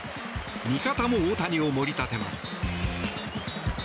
味方も大谷を盛り立てます。